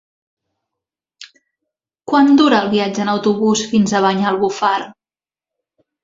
Quant dura el viatge en autobús fins a Banyalbufar?